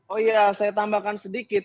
oh iya saya tambahkan sedikit